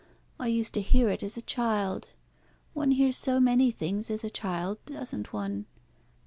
I used to hear it as a child. One hears so many things as a child, doesn't one?